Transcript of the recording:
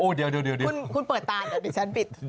คุณเปิดตาเดี๋ยวดิฉันปิด